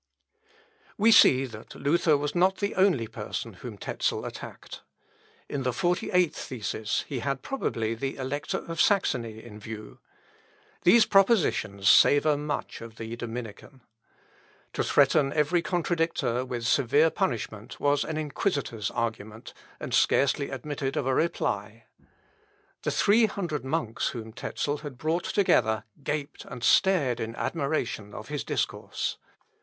We see that Luther was not the only person whom Tezel attacked. In the forty eighth thesis he had probably the Elector of Saxony in view. These propositions savour much of the Dominican. To threaten every contradictor with severe punishment was an inquisitor's argument, and scarcely admitted of a reply. The three hundred monks whom Tezel had brought together gaped and stared in admiration of his discourse.